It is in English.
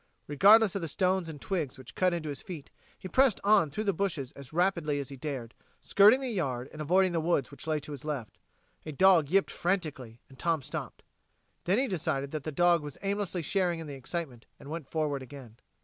Regardless of the stones and twigs which cut into his feet, he pressed on through the bushes as rapidly as he dared, skirting the yard and avoiding the woods which lay to his left. A dog yipped frantically, and Tom stopped; then he decided that the dog was aimlessly sharing in the excitement, and went forward again.